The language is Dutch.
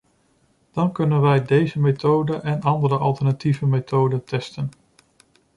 Dan kunnen wij deze methoden en andere, alternatieve methoden testen.